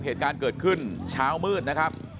เหตุการณ์เกิดขึ้นเช้ามืดนะครับ